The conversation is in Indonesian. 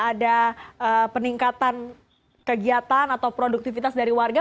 ada peningkatan kegiatan atau produktivitas dari warga